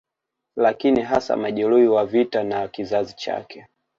Lakini hasa majeruhi wa vita na kizazi chake